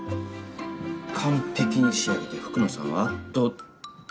完璧に仕上げて福野さんをあっと。